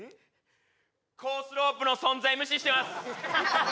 コースロープの存在無視してます